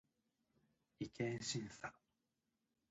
違憲審査